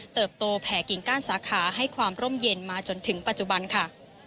โตแผ่กิ่งก้านสาขาให้ความร่มเย็นมาจนถึงปัจจุบันค่ะ